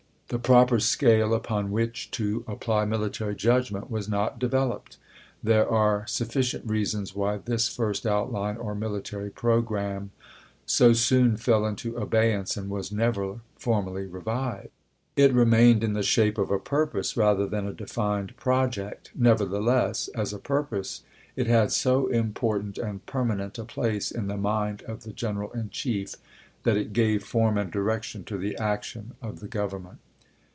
The proper scale upon which to apply military judgment was not developed. There are suf Ch. XVII. Gen. Scott to McClel lan, May 3, 1861. W. R. Series III., Vol. I., p. 178. 304 ABRAHAM LINCOLN ch. XVII. ficient reasons why this first outline, or military programme, so soon fell into abeyance and was never formally revived. It remained in the shape of a purpose, rather than a defined project ; never theless, as a purpose it had so important and per manent a place in the mind of the G eneral in Chief that it gave form and direction to the action of the Grovernment.